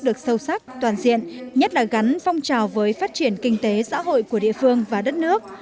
được sâu sắc toàn diện nhất là gắn phong trào với phát triển kinh tế xã hội của địa phương và đất nước